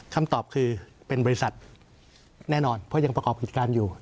คำตอบคือเป็นบริษัทแน่นอนเพราะยังประกอบกิจการอยู่